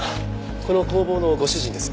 この工房のご主人です。